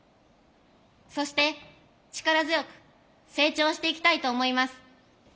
そして力強く成長していきたいと思います。